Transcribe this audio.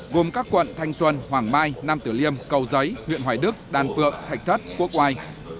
gồm các quận thanh xuân hoàng mai nam tử liêm cầu giấy huyện hoài đức đàn phượng thạch thất quốc oai